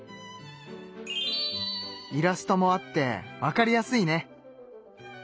イラストもあってわかりやすいね。